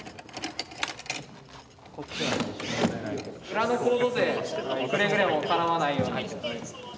裏のコード勢くれぐれも絡まないように。